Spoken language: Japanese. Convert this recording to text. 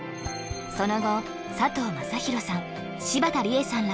その後佐藤正宏さん